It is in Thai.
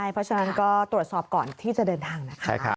เพราะฉะนั้นก็ตรวจสอบก่อนที่จะเดินทางนะคะ